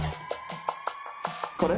「これ？